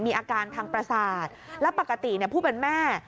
มีอาการทางประสาทและปกติผู้เป็นแม่